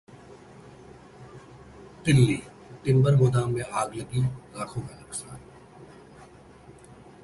Delhi: timber गोदाम में आग लगी, लाखों का नुकसान